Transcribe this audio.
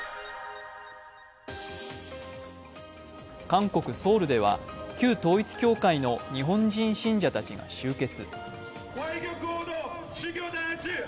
韓国・ソウルでは旧統一教会の日本人信者たちが集結。